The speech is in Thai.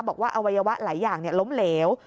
บอกว่าอวัยวะหลายอย่างล้มเหลว